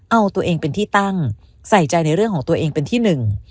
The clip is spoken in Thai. เอาตัวเองเป็นที่ตั้งใส่ใจในเรื่องของตัวเองเป็นที่หนึ่ง